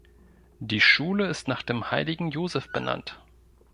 Die Schule ist nach dem Heiligen Josef benannt.